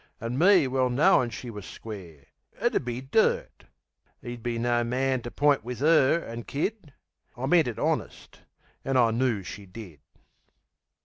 An' me well knowin' she was square. It 'ud be dirt! 'E'd be no man to point wiv her, an' kid. I meant it honest; an' she knoo I did.